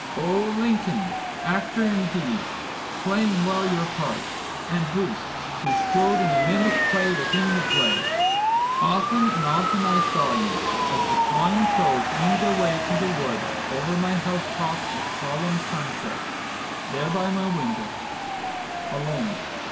O Lincoln, actor indeed, playing well your part And Booth, who strode in a mimic play within the play, Often and often I saw you, As the cawing crows winged their way to the wood Over my house—top at solemn sunsets, There by my window, Alone.